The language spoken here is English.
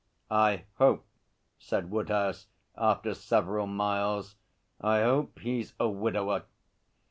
'I hope,' said Woodhouse after several miles, 'I hope he's a widower.'